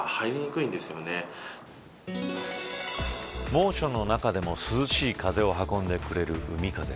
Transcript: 猛暑の中でも涼しい風を運んでくれる海風。